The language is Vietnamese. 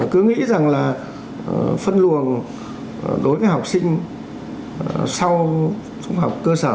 cứ nghĩ rằng là phân luồng đối với học sinh sau trung học cơ sở